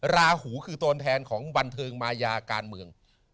ราหูคือตัวแทนของบันเทิงมายาการเมือง